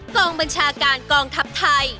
กองบัญชาการกองทัพไทย